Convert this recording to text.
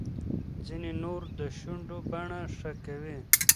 ځینې نور د شونډو بڼه ښه کوي.